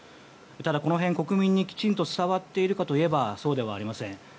ただ、この辺が国民にきちんと伝わっているかといえばそうではありません。